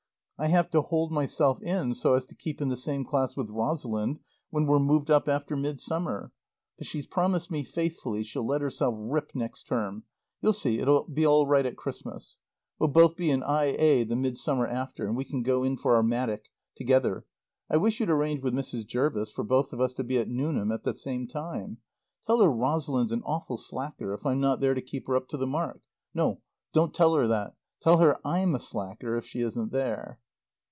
I have to hold myself in so as to keep in the same class with Rosalind when we're moved up after Midsummer. But as she's promised me faithfully she'll let herself rip next term, you'll see it'll be all right at Xmas. We'll both be in I A the Midsummer after, and we can go in for our matic, together. I wish you'd arrange with Mrs. Jervis for both of us to be at Newnham at the same time. Tell her Rosalind's an awful slacker if I'm not there to keep her up to the mark. No don't tell her that. Tell her I'm a slacker if she isn't there.